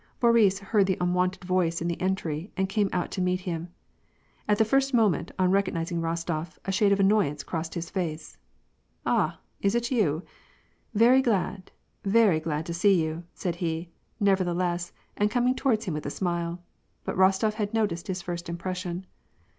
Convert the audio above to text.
Boris heard the unwonted voice in the entry, and came out to meet him. At the first moment, on recognizing Eostof, a shade of annoyance crossed his face. "Ah ! is it you ? Very glad, very glad to see you," said he, nevertheless, and coming towards him with a smile. But Bostof had noticed his first impression.